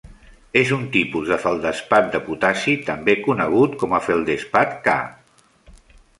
És un tipus de feldespat de potassi, també conegut com a feldespat K.